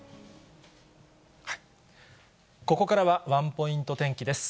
ここからはワンポイント天気です。